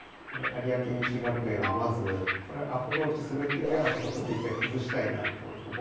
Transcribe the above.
有明西学園はまずアプローチするっていうよりはあそこちょっと一回くずしたいなと思いますね。